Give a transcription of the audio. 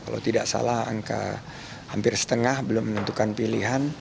karena kalau tidak salah angka hampir setengah belum menentukan pilihan